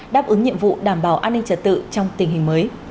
đáp ứng nhiệm vụ đảm bảo an ninh trật tự trong tình hình mới